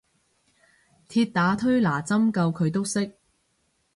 鐵打推拿針灸佢都識